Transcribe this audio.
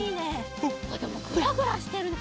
でもグラグラしてるね。